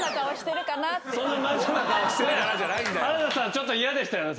ちょっと嫌でしたよね？